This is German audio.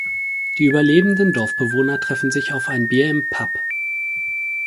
Die überlebenden Dorfbewohner treffen sich auf ein Bier im Pub.